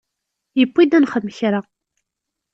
Yewwi-d ad nexdem kra.